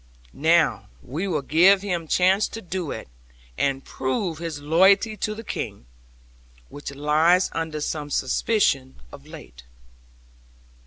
Now, we will give him chance to do it, and prove his loyalty to the King, which lies under some suspicion of late.'